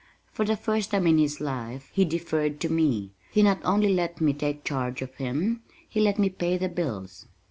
For the first time in his life, he deferred to me. He not only let me take charge of him, he let me pay the bills.